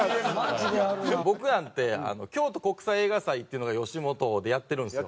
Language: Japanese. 僕なんて京都国際映画祭っていうのが吉本でやってるんですよ。